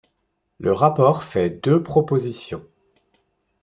Le rapport fait deux propositions.